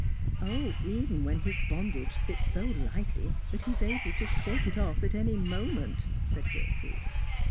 " Even when his bondage sits so lightly that he is able to shake it off at any moment," said Gertrude.